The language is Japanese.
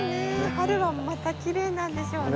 春はまたきれいなんでしょうね。